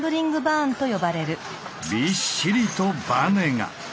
びっしりとバネが。